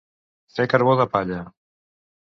Fer carbó de palla.